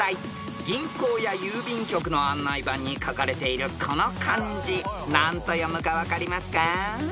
［銀行や郵便局の案内板に書かれているこの漢字何と読むか分かりますか？］